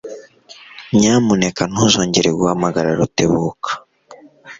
Nyamuneka ntuzongere guhamagara Rutebuka.